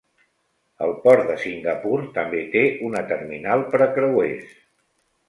El port de Singapur també té una terminal per a creuers.